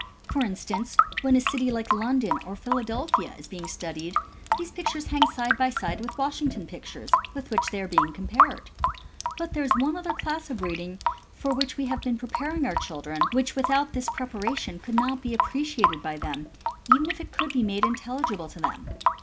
For instance, when a city like Lon don or Philadelphia is being studied, these pictures hang side by side with Washington pictures, with which they are compared. But there is one other class of reading for which we have been preparing our children, which without this preparation could not be appreciated by them, even if it could be made intelligible to them.